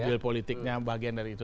deal deal politiknya bahagian dari itu